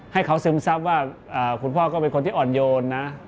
ให้เขาซึมซับว่าคุณพ่อก็เป็นคนที่อ่อนโยนนะ